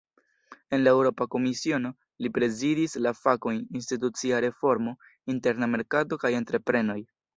En la Eŭropa Komisiono, li prezidis la fakojn "institucia reformo, interna merkato kaj entreprenoj".